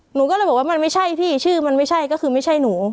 หนูก็เลยบอกว่ามันไม่ใช่พี่ชื่อมันไม่ใช่ก็คือไม่ใช่หนู